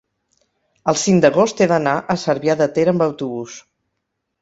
el cinc d'agost he d'anar a Cervià de Ter amb autobús.